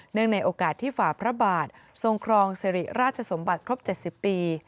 ในโอกาสที่ฝ่าพระบาททรงครองสิริราชสมบัติครบ๗๐ปี